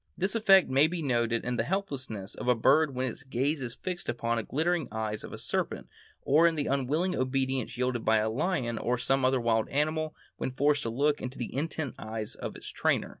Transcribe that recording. This effect may be noted in the helplessness of a bird when its gaze is fixed upon the glittering eyes of a serpent, or in the unwilling obedience yielded by a lion or some other wild animal when forced to look into the intent eyes of its trainer.